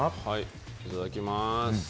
いただきます。